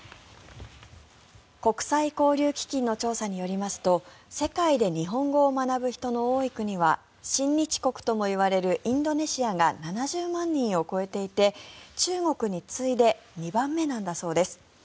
国際交流基金の調査によりますと世界で日本語を学ぶ人の多い国は親日国ともいわれるインドネシアが７０万人を超えていて中国に次いで２番目なんだそうです。